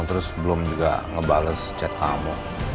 terus belum juga ngebales chat kamu